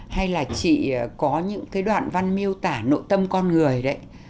hay là chị có những cái đoạn văn miêu tả nội tâm con người đấy